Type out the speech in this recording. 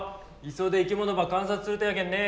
磯で生き物ば観察するとやけんね。